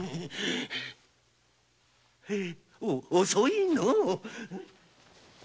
遅いのう。